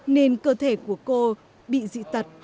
nên cơ thể của cô bị dị tật